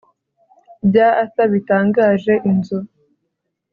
Bya Arthur bitangaje inzu